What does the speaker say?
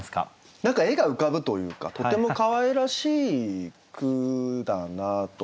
何か絵が浮かぶというかとてもかわいらしい句だなと。